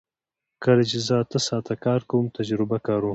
کله چې زه اته ساعته کار کوم تجربه کاروم